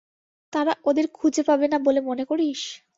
তারা ওদের খুঁজে পাবে না বলে মনে করিস?